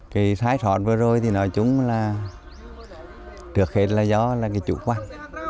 cái thái thoát vừa rồi thì nói chung là được hết là do chủ quán